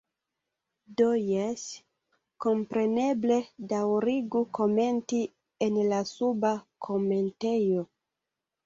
Do jes, kompreneble, daŭrigu komenti en la suba komentejo.